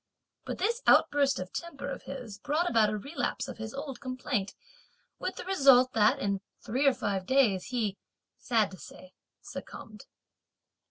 But this outburst of temper of his brought about a relapse of his old complaint, with the result that in three or five days, he, sad to say, succumbed.